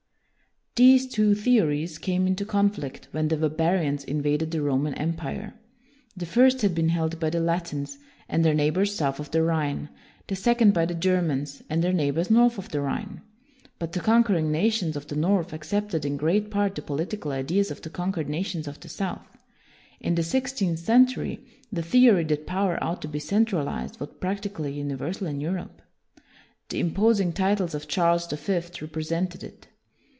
These two theories came into conflict when the barbarians invaded the Roman Empire. The first had been held by the Latins and their neighbors south of the Rhine; the second by the Germans and their neighbors north of the Rhine. But the conquering nations of the north ac WILLIAM THE SILENT 171 cepted in great part the political ideas of the conquered nations of the south. In the sixteenth century, the theory that power ought to be centralized was prac tically universal in Europe. The impos ing titles of Charles the Fifth represented it.